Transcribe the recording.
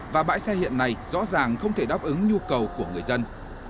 và bãi xe hiện nay rõ ràng không thể đáp ứng nhu cầu của người dân